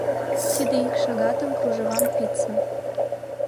Тиде ик шагатым кружевам пидса.